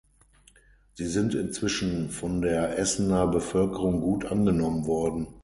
Sie sind inzwischen von der Essener Bevölkerung gut angenommen worden.